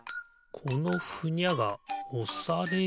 このふにゃがおされる？